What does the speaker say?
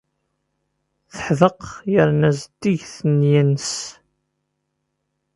Teḥdeq yerna zeddiget nneyya-nnes.